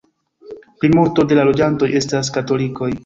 Plimulto de la loĝantoj estas katolikoj.